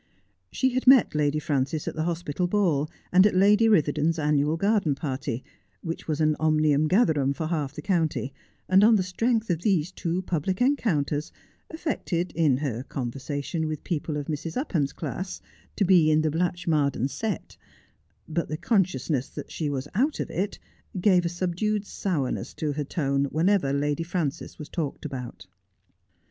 She had met Lady Prances at the hospital ball, and at Lady Ritherdon's annual garden party, which was an omnium gatherum for half the county, and on the strength of these two public encounters affected, in her conversation with people of Mrs. Upham's class, to be in the Blatchmardean set ; but the con sciousness that she was out of it gave a subdued sourness to her tone whenever Lady Frances was talked about.